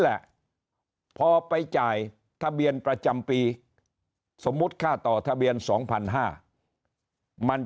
แหละพอไปจ่ายทะเบียนประจำปีสมมุติค่าต่อทะเบียน๒๕๐๐มันจะ